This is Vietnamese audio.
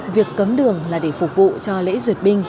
việc cấm đường là để phục vụ cho lễ duyệt binh